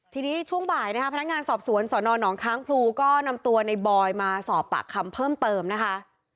ทีนี้ช่วงบ่ายนะคะพนักงานสอบสวนสอนอนหนองค้างพลูก็นำตัวในบอยมาสอบปากคำเพิ่มเติมนะคะ